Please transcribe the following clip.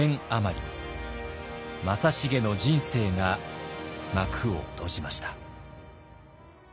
正成の人生が幕を閉じました。